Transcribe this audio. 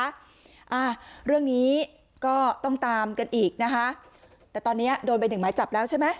อ่าเรื่องนี้ก็ต้องตามกันอีกนะคะแต่ตอนเนี้ยโดนไปหนึ่งหมายจับแล้วใช่ไหม